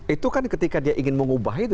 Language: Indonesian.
itu kan ketika dia ingin mengubah itu